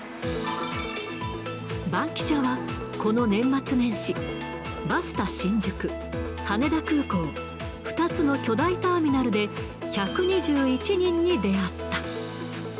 バンキシャは、この年末年始、バスタ新宿、羽田空港、２つの巨大ターミナルで、１２１人に出会った。